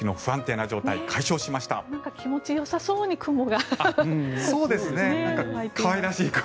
なんか気持ちよさそうに雲が。